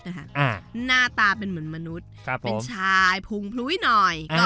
หน้าตาเป็นเหมือนมนุษย์เป็นชายพุงพลุ้ยหน่อย